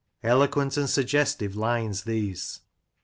Eloquent and suggestive lines these.